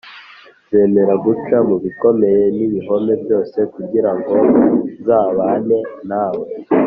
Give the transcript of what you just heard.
Nzemera guca mu bikomeye n’ibihome byose kugira ngo nzabane nawe